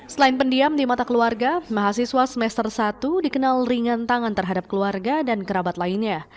selain pendiam di mata keluarga mahasiswa semester satu dikenal ringan tangan terhadap keluarga dan kerabat lainnya